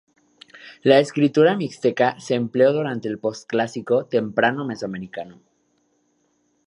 La escritura mixteca se empleó durante el Posclásico Temprano mesoamericano.